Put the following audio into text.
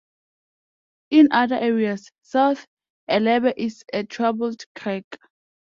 In other areas, South Ellerbe is a troubled creek.